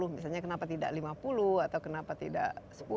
misalnya kenapa tidak lima puluh atau kenapa tidak sepuluh